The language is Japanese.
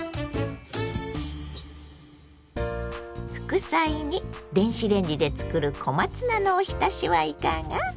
副菜に電子レンジで作る小松菜のおひたしはいかが。